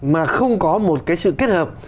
mà không có một cái sự kết hợp